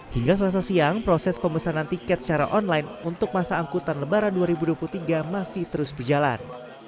hingga selasa siang proses pemesanan tiket secara online untuk masa angkutan lebaran dua ribu dua puluh tiga masih terus berjalan